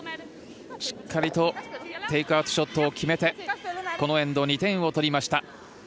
しっかりとテイクアウトショットを決めてこのエンド、２点を取りました。